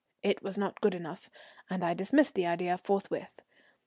It was not good enough, and I dismissed the idea forthwith.